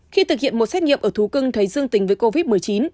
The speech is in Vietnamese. khi thực hiện một xét nghiệm ở thú cưng thấy dương tính với covid một mươi chín